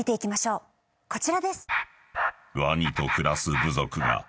こちらです。